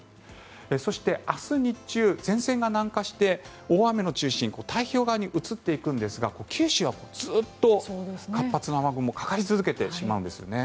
そして、明日日中前線が南下して、大雨の中心太平洋側に移っていくんですが九州はずっと活発な雨雲がかかり続けてしまうんです。